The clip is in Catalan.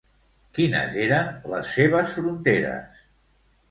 Quines eren les seves fronteres?